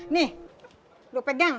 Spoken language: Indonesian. nih lo pegang